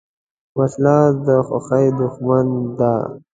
وسله د خوښۍ دښمن ده